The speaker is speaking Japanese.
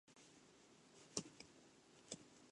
天皇陛下はとても偉い人だ